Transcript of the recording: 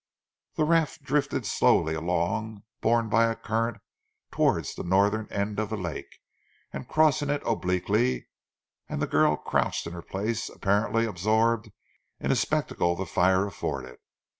The raft drifted slowly along, borne by a current towards the northern end of the lake and crossing it obliquely, and the girl crouched in her place apparently absorbed in the spectacle the fire afforded.